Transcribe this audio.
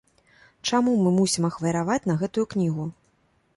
Чаму мы мусім ахвяраваць на гэтую кнігу?